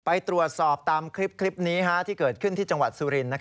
ไปตรวจสอบตามคลิปนี้ที่เกิดขึ้นที่จังหวัดสุรินทร์